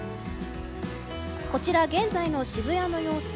こちら、現在の渋谷の様子。